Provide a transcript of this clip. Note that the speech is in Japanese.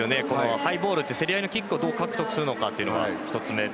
ハイボールの競り合いのキックをどう獲得するかが１つ目で。